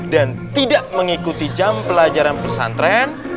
dan tidak mengikuti jam pelajaran pesantren